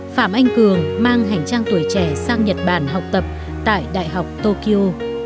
phạm anh cường mang hành trang tuổi trẻ sang nhật bản học tập tại đại học tokyo